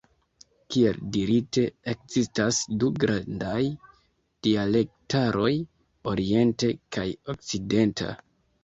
Kiel dirite, ekzistas du grandaj dialektaroj: orienta kaj okcidenta.